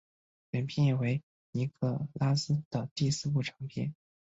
本片为尼可拉斯的第四部长片。